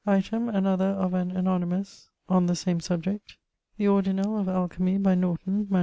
Item, another of an ἀνόνυμος, on the same subject. The Ordinall of Alchymy, by Norton, MS.